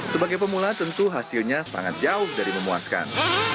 sebagai pemula tentu hasilnya sangat jauh dari memuaskan